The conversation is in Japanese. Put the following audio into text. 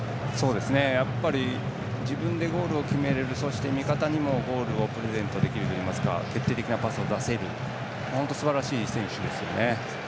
自分でゴールを決めるそして、味方にもゴールをプレゼントできるといいますか決定的なパスを出せるすばらしい選手ですね。